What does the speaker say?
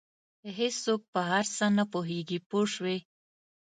هېڅوک په هر څه نه پوهېږي پوه شوې!.